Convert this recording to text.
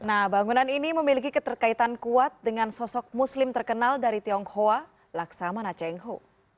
nah bangunan ini memiliki keterkaitan kuat dengan sosok muslim terkenal dari tionghoa laksamana cheng ho